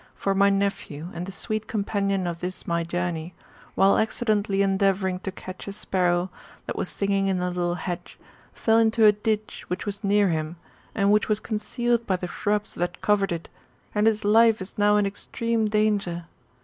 For my nephew, and the sweet companion of this my journey, while accidentally endeavouring to catch a sparrow, that was singing in a little hedge, fell into a ditch which was near him, and which was concealed by the shrubs that covered it, and his life is now in extreme danger.